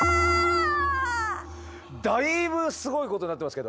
だいぶすごいことになってますけど。